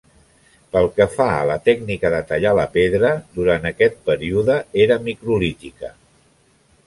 Pel que fa a la tècnica de tallar la pedra, durant aquest període, era microlítica.